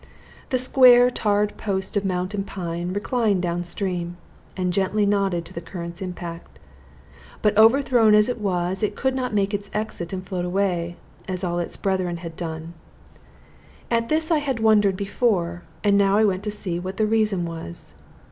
The square tarred post of mountain pine reclined down stream, and gently nodded to the current's impact. But overthrown as it was, it could not make its exit and float away, as all its brethren had done. At this I had wondered before, and now I went to see what the reason was.